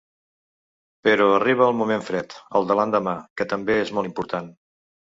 Però arriba el moment fred, el de l’endemà, que també és molt important.